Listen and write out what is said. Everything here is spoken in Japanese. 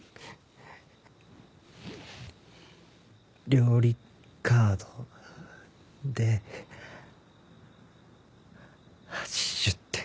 料理カードで８０点。